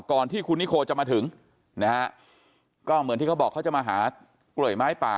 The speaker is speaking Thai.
ก่อนที่คุณนิโคจะมาถึงนะฮะก็เหมือนที่เขาบอกเขาจะมาหากล่วยไม้ป่า